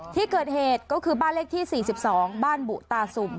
ที่เกิดเหตุก็คือบ้านเลขที่๔๒บ้านบุตาสุ่ม